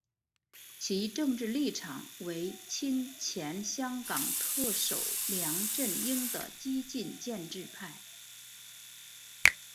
其政治立场为亲前香港特首梁振英的激进建制派。